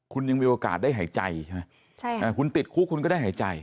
คุณยังมีโอกาสได้หายใจใช่ไหมคุณติดคุกคุณก็ได้หายใจ